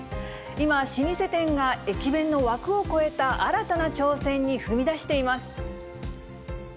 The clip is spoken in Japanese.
今、老舗店が駅弁の枠を超えた新たな挑戦に踏み出しています。